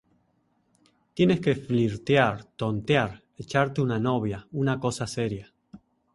tienes que flirtear, tontear, echarte una novia, una cosa seria.